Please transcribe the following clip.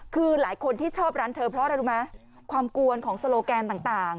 คือหลายคนที่ชอบร้านเธอเพราะอะไรรู้ไหมความกวนของโซโลแกนต่าง